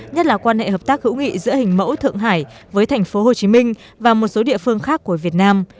nhất là quan hệ hợp tác hữu nghị giữa hình mẫu thượng hải với thành phố hồ chí minh và một số địa phương khác của việt nam